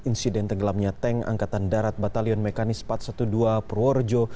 insiden tenggelamnya tank angkatan darat batalion mekanis empat ratus dua belas purworejo